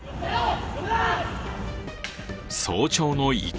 早朝の池